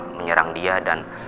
menyerang dia dan